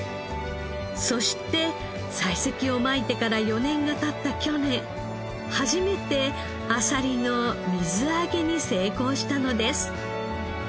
そして砕石をまいてから４年が経った去年初めてあさりの水揚げに成功したのです。